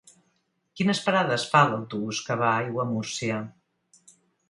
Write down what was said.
Quines parades fa l'autobús que va a Aiguamúrcia?